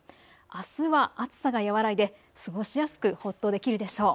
あすは暑さが和らいで過ごしやすくほっとできるでしょう。